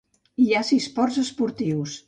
Hi ha sis ports esportius.